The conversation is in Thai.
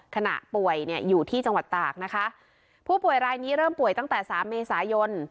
ป่วยเนี่ยอยู่ที่จังหวัดตากนะคะผู้ป่วยรายนี้เริ่มป่วยตั้งแต่สามเมษายน